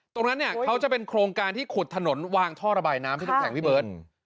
ตรงนั้นเนี่ยเขาจะเป็นโครงการที่ขุดถนนวางท่อระบายน้ำพี่น้ำแข็งพี่เบิร์ต